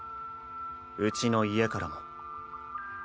うちの家からも。